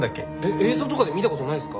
映像とかで見た事ないっすか？